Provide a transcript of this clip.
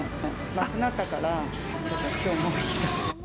なくなったから、きょうも来た。